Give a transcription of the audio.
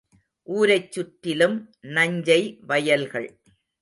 ஊரைச் சுற்றிலும் நஞ்சை வயல்கள்.